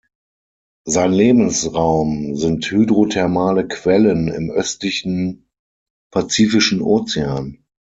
Sein Lebensraum sind hydrothermale Quellen im östlichen Pazifischen Ozean.